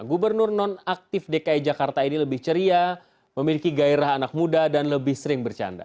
gubernur non aktif dki jakarta ini lebih ceria memiliki gairah anak muda dan lebih sering bercanda